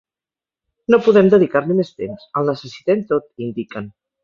No podem dedicar-li més temps, el necessitem tot, indiquen.